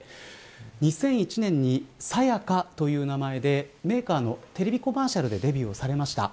２００１年にＳＡＹＡＫＡという名前でメーカーのテレビコマーシャルでデビューされました。